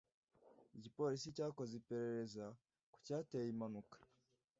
Igipolisi cyakoze iperereza ku cyateye iyi mpanuka.